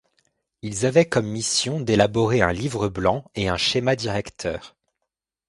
Ils avaient comme mission d'élaborer un livre blanc et un schéma directeur.